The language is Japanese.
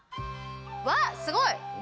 わっすごい！